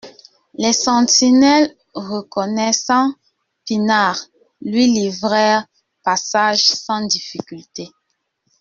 Les sentinelles, reconnaissant Pinard, lui livrèrent passage sans difficulté.